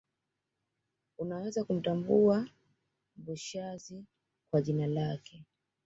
Unaweza kumtambua Mboshazi kwa jina lake